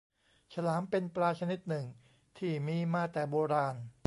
ฉลามเป็นปลาชนิดหนึ่งที่มีมาแต่โบราณ